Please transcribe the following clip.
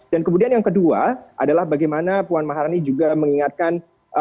dan kemudian yang kedua adalah bagaimana puan maharani juga mengingatkan